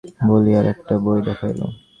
বলিয়া আর-একটা বই দেখাইল।